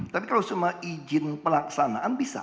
tapi kalau semua izin pelaksanaan bisa